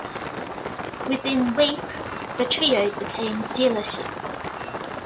Within weeks, the trio became Dealership.